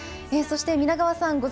そして、皆川さん